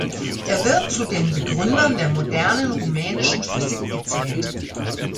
Er wird zu den Begründern der modernen rumänischen Physik gezählt.